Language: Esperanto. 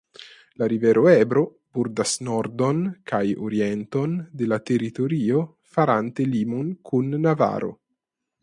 La rivero Ebro bordas nordon kaj orienton de la teritorio farante limon kun Navaro.